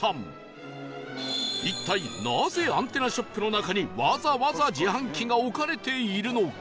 一体なぜアンテナショップの中にわざわざ自販機が置かれているのか？